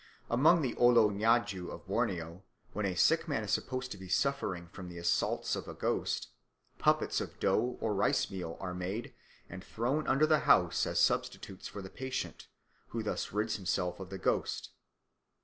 Among the Oloh Ngadju of Borneo, when a sick man is supposed to be suffering from the assaults of a ghost, puppets of dough or rice meal are made and thrown under the house as substitutes for the patient, who thus rids himself of the ghost.